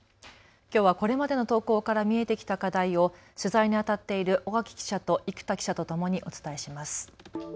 きょうはこれまでの投稿から見えてきた課題を取材にあたっている尾垣記者と生田記者とともにお伝えします。